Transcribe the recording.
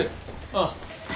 ああ。